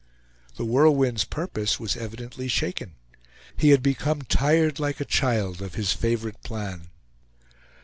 The Whirlwind's purpose was evidently shaken; he had become tired, like a child, of his favorite plan.